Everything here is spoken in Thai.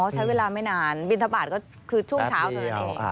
อ๋อใช้เวลาไม่นานบิณฑบาตก็คือช่วงเช้าเท่านี้